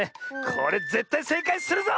これぜったいせいかいするぞ！